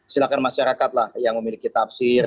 silakan masyarakatlah yang memiliki tafsir